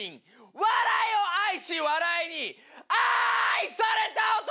笑いを愛し笑いに愛された男！